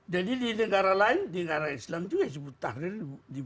jadi di negara lain negara islam juga disebut takdir di bukaan